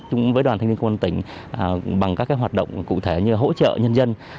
chúng với đoàn thanh niên công an tỉnh bằng các hoạt động cụ thể như hỗ trợ nhân dân